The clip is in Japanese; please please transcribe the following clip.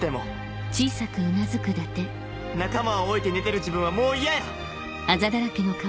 でも仲間を置いて寝てる自分はもう嫌や！